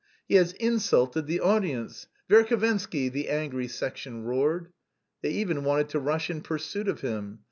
"He has insulted the audience!... Verhovensky!" the angry section roared. They even wanted to rush in pursuit of him.